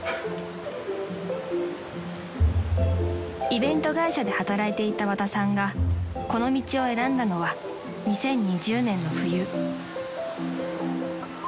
［イベント会社で働いていた和田さんがこの道を選んだのは２０２０年の冬］